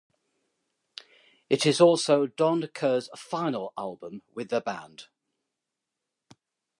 It is also Don Kerr's final album with the band.